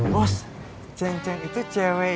bos cen cen itu cewek yang